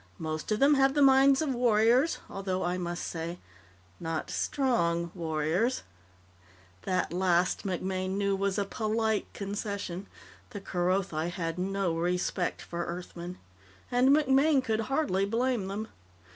Most of them have the minds of warriors, although, I must say, not _strong__ warriors." That last, MacMaine knew, was a polite concession. The Kerothi had no respect for Earthmen. And MacMaine could hardly blame them.